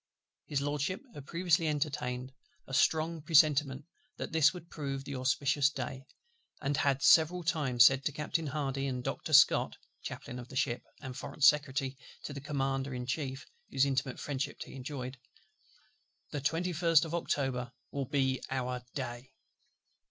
His LORDSHIP had previously entertained a strong presentiment that this would prove the auspicious day; and had several times said to Captain HARDY and Doctor SCOTT (Chaplain of the ship, and Foreign Secretary to the Commander in Chief, whose intimate friendship he enjoyed), "The 21st of October will be our day."